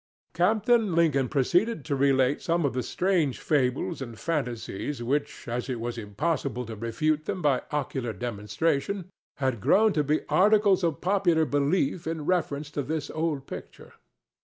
Captain Lincoln proceeded to relate some of the strange fables and fantasies which, as it was impossible to refute them by ocular demonstration, had grown to be articles of popular belief in reference to this old picture.